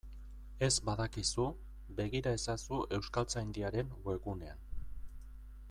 Ez badakizu, begira ezazu Euskaltzaindiaren webgunean.